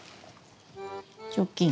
チョキン。